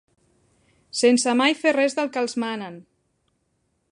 Sense mai fer res del que els manen.